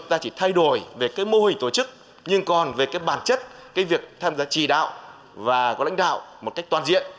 ta chỉ thay đổi về mô hình tổ chức nhưng còn về bản chất việc tham gia trì đạo và có lãnh đạo một cách toàn diện